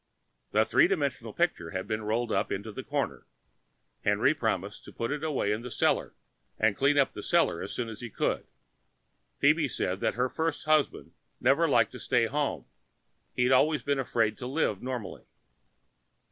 The three dimensional picture had been rolled up into the corner. Henry promised to put it away in the cellar and clean up the cellar as soon as he could. Phoebe said that her first husband had never liked to stay home, he'd always been afraid to live normally.